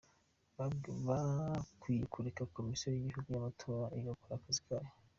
Bakwiye kureka Komisiyo y’Igihugu y’Amatora igakora akazi kayo.